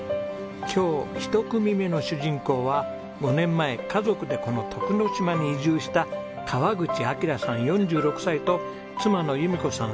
今日１組目の主人公は５年前家族でこの徳之島に移住した川口明さん４６歳と妻の裕美子さん